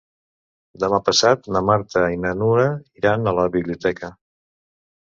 Demà passat na Marta i na Nura iran a la biblioteca.